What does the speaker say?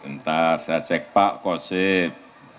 bentar saya cek pak khosyif